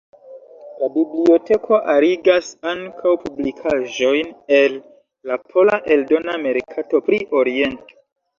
La biblioteko arigas ankaŭ publikaĵojn el la pola eldona merkato pri Oriento.